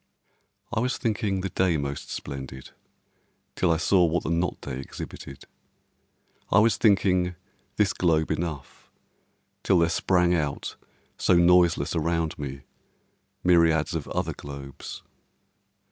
I was thinking the day most splendid till I saw what the not day exhibited, I was thinking this globe enough till there sprang out so noiseless around me myriads of other globes.